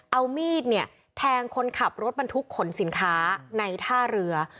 เอามีดเนี่ยแทงคนขับรถบรรทุกขนสินค้าในท่าเรือ